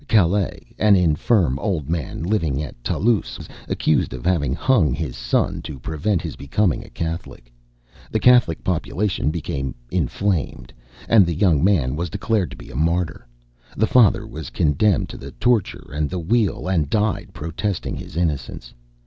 Calas, an infirm old man, living at Toulouse, was accused of having hung his son, to prevent his becoming a Catholic. The Catholic population became inflamed, and the young man was declared to be a martyr. The father was condemned to the torture and the wheel, and died protesting his innocence.